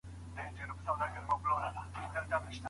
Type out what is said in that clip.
په تګ کي د ټولنې نظم نه خرابېږي.